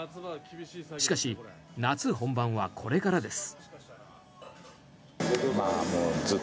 しかし、夏本番はこれからです。